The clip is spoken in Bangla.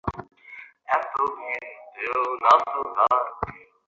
তিনি ব্রহ্মচর্য চর্চা করতে উপদেশ দেন।